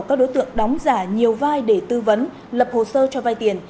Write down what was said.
các đối tượng đóng giả nhiều vai để tư vấn lập hồ sơ cho vai tiền